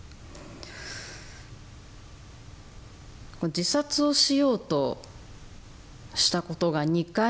自殺をしようとしたことが２回あります。